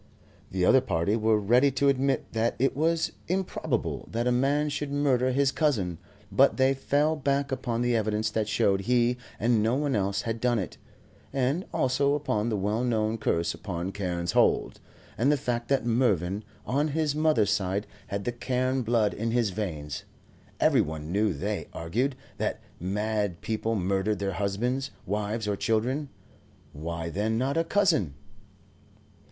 The other party were ready to admit that it was improbable that a man should murder his cousin, but they fell back upon the evidence that showed he and no one else had done it, and also upon the well known curse upon Carne's Hold, and the fact that Mervyn on his mother's side had the Carne blood in his veins. Every one knew, they argued, that mad people murder their husbands, wives, or children; why, then, not a cousin?